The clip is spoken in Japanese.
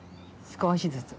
少しずつ。